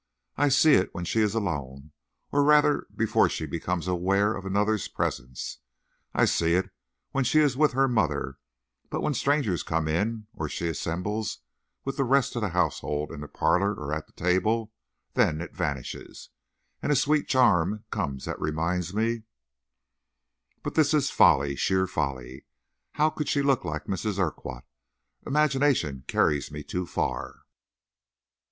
I see it when she is alone, or rather before she becomes aware of another's presence; I see it when she is with her mother; but when strangers come in or she assembles with the rest of the household in the parlor or at the table, then it vanishes, and a sweet charm comes that reminds me But this is folly, sheer folly. How could she look like Mrs. Urquhart? Imagination carries me too far.